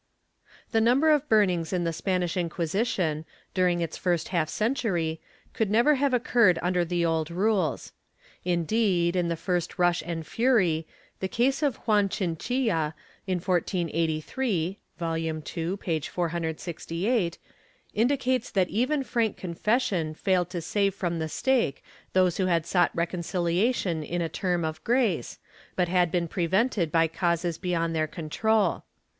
The number of burnings in the Spanish Inquisition, during its first half century, could never have occurred under the old rules. Indeed, in the first rush and fury, the case of Juan Chinchilla in 1483 (Vol. II, p. 468) indicates that even frank confession failed to save from the stake those who had sought reconciliation in a Term of Grace, but had been prevented by causes beyond their control.